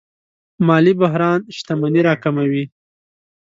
مالي بحران شتمني راکموي.